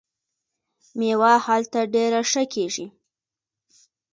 میوه هلته ډیره ښه کیږي.